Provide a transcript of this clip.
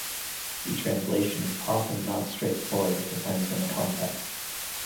The translation is often not straightforward and depends on the context.